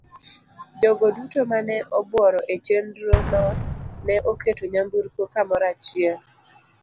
Jogo duto ma ne obworo e chenro no ne oketo nyamburko kamoro achiel.